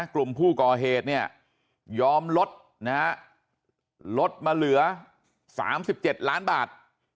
กลุ่มผู้ก่อเหตุเนี่ยยอมลดนะฮะลดมาเหลือ๓๗ล้านบาท